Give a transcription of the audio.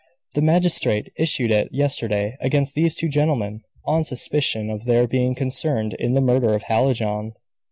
"The magistrate, issued it yesterday against these two gentlemen, on suspicion of their being concerned in the murder of Hallijohn."